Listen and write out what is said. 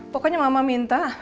pokoknya mama minta